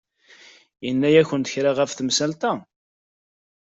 Yenna-yakent kra ɣef temsalt-a?